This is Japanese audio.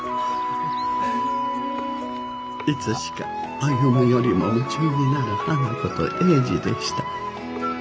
いつしか歩よりも夢中になる花子と英治でした。